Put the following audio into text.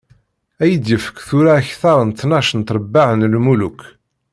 Ad yi-d-yefk tura akteṛ n tnac n trebbaɛ n lmuluk.